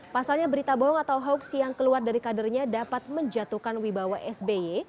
pasalnya berita bohong atau hoax yang keluar dari kadernya dapat menjatuhkan wibawa sby